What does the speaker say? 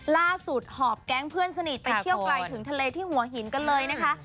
หอบแก๊งเพื่อนสนิทไปเที่ยวไกลถึงทะเลที่หัวหินกันเลยนะคะ